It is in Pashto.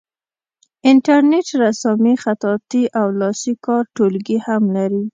انټرنیټ رسامي خطاطي او لاسي کار ټولګي هم لري.